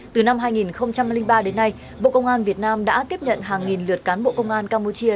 từ năm hai nghìn ba đến nay bộ công an việt nam đã tiếp nhận hàng nghìn lượt cán bộ công an campuchia